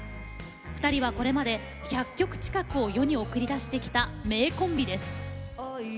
２人はこれまで１００曲近くを世に送り出してきた名コンビです。